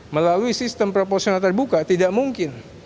melalui sistem proporsional terbuka tidak mungkin